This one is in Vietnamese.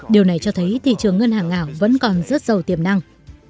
điều này cho thấy thị trường ngân hàng ảo vẫn còn rất giàu tiềm năng